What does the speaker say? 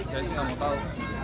jadi nggak mau tahu